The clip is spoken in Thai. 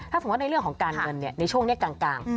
ถ้าสมมุติในเรื่องของการเงินในช่วงนี้กลาง